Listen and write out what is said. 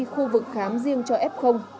khu vực khám riêng cho f